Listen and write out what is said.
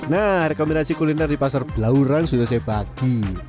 nah rekomendasi kuliner di pasar belauran sudah saya bagi